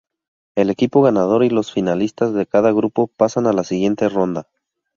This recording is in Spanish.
El equipo ganador y los finalistas de cada grupo pasan a la siguiente ronda.